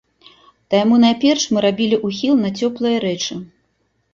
Таму найперш мы рабілі ўхіл на цёплыя рэчы.